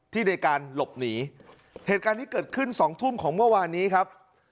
ในการหลบหนีเหตุการณ์นี้เกิดขึ้นสองทุ่มของเมื่อวานนี้ครับ